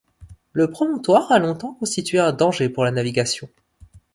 Le promontoire a longtemps constitué un danger pour la navigation.